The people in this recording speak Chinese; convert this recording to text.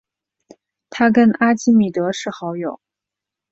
他跟阿基米德是好友。